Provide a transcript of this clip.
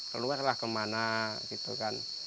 keluar lah kemana gitu kan